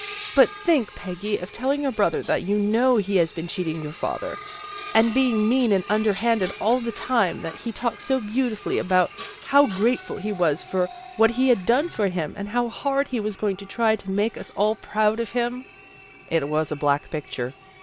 " But think, Peggy, of telling your brother that you know he has been cheating your father, and being mean and underhanded, all the tune that he talked so beautifully about how grateful he was for what had been done for him, and how hard he was going to try to make us all proud of him." RUTH IS PERPLEXED 159 It was a black picture.